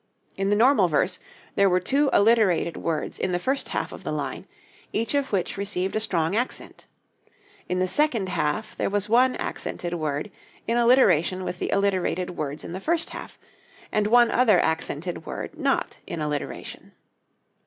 In the normal verse there were two alliterated words in the first half of the line, each of which received a strong accent; in the second half there was one accented word in alliteration with the alliterated words in the first half, and one other accented word not in alliteration.